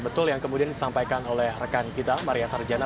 betul yang kemudian disampaikan oleh rekan kita maria sarjana